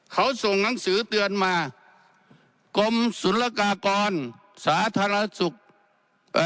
เขาส่งหนังสือเตือนมากรมศุลกากรสาธารณสุขเอ่อ